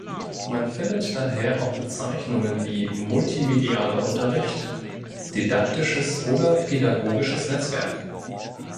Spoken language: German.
Man findet daher auch Bezeichnungen wie multimedialer Unterricht, didaktisches oder pädagogisches Netzwerk.